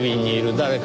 「誰か」？